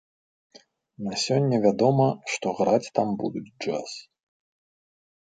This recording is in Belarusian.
На сёння вядома, што граць там будуць джаз.